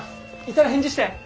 いたら返事して！